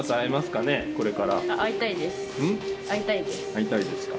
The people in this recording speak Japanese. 会いたいですか。